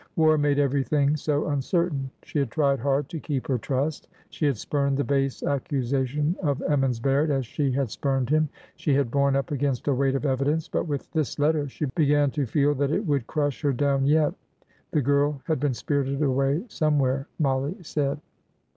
War made everything so uncertain. She had tried hard to keep her trust ; she had spurned the base accusa tion of Emmons Baird as she had spurned him ; she had borne up against a weight of evidence ; but with this let ter she began to feel that it would crush her down yet. ... The girl had been spirited away somewhere, Mollie said.